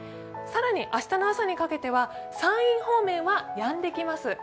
更に明日の朝にかけては山陰方面はやんできます。